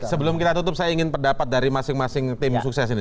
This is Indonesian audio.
sebelum kita tutup saya ingin pendapat dari masing masing tim sukses ini